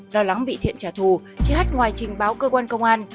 đòi lắng bị thiện trả thù chị hát ngoài trình báo cơ quan công an